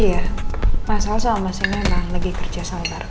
iya masalah soal masing masing lagi kerja sama